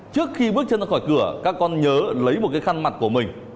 trước khi bước chân ra khỏi cửa các con nhớ lấy một cái khăn mặt của mình